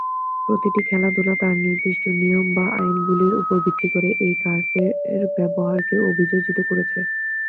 প্রতিটি খেলাধুলা তার নির্দিষ্ট নিয়ম বা আইনগুলির ওপর ভিত্তি করে এই কার্ডের ব্যবহারকে অভিযোজিত করেছে।